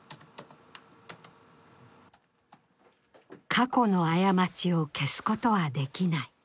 過去の過ちを消すことはできない。